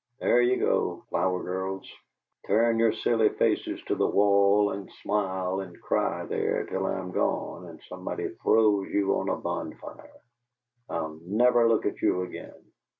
There you go, 'Flower Girls'! Turn your silly faces to the wall and smile and cry there till I'm gone and somebody throws you on a bonfire. I'LL never look at you again."